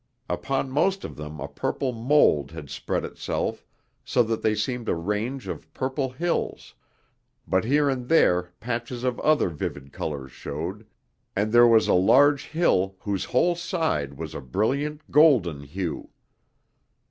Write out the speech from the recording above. Upon most of them a purple mould had spread itself so that they seemed a range of purple hills, but here and there patches of other vivid colors showed, and there was a large hill whose whole side was a brilliant golden hue.